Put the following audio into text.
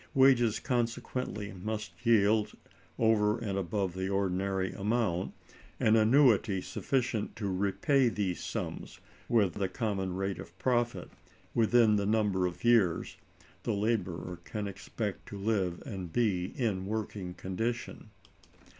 Wages, consequently, must yield, over and above the ordinary amount, an annuity sufficient to repay these sums, with the common rate of profit, within the number of years [the laborer] can expect to live and be in working condition.